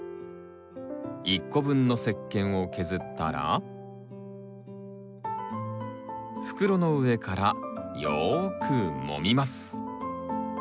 １個分の石けんを削ったら袋の上からよくもみます。